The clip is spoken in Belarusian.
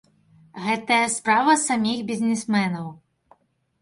Гэтая справа саміх бізнесменаў.